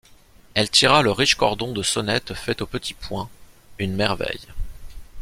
Elle tira le riche cordon de sonnette fait au petit point, une merveille.